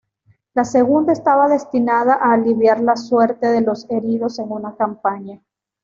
La segunda estaba destinada a aliviar la suerte de los heridos en una campaña.